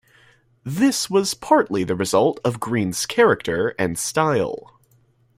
This was partly the result of Greene's character and style.